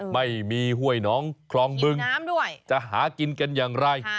ไม่มีห้วยหนองคลองบึงจะหากินกันอย่างไร